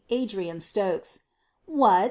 Adrian Stokes. What !"